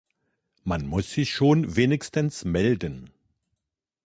Man muss sich schon wenigstens melden.